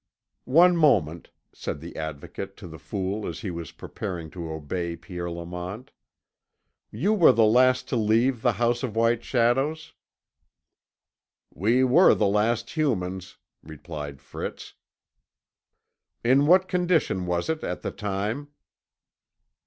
"One moment," said the Advocate to the fool as he was preparing to obey Pierre Lamont. "You were the last to leave the House of White Shadows." "We were the last humans," replied Fritz. "In what condition was it at the time?"